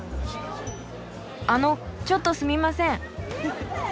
あのちょっとすみません。